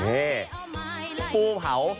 เนี่ยฟูเผา